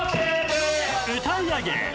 ［歌い上げ］